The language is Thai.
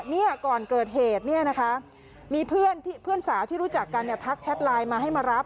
เนี่ยก่อนเกิดเหตุเนี่ยนะคะมีเพื่อนสาวที่รู้จักกันเนี่ยทักแชทไลน์มาให้มารับ